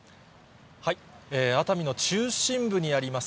熱海の中心部にあります